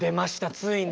ついに。